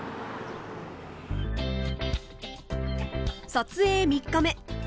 撮影３日目。